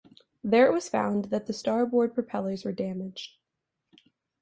There it was found that the starboard propellers were damaged.